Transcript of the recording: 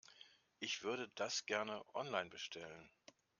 Ich würde das gerne online bestellen.